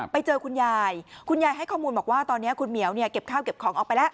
ไปเจอคุณยายคุณยายให้ข้อมูลบอกว่าตอนนี้คุณเหมียวเนี่ยเก็บข้าวเก็บของออกไปแล้ว